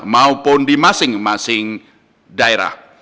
maupun di masing masing daerah